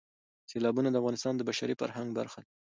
سیلابونه د افغانستان د بشري فرهنګ برخه ده.